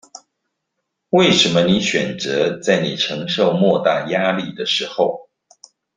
為什麼你選擇在你承受莫大壓力的時候